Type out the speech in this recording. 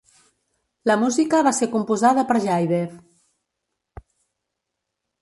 La música va ser composada per Jaidev.